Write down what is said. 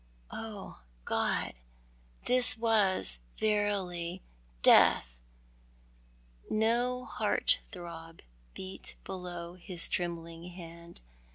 Oh, God ! this was verily death ! No heart throb beat below his trembling hand.